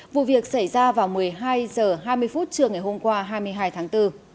vụ việc xảy ra vào một mươi hai h hai mươi phút trưa ngày hôm qua hai mươi hai tháng bốn